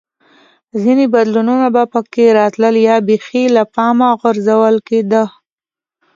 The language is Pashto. ځیني بدلونونه به په کې راتلل یا بېخي له پامه غورځول کېده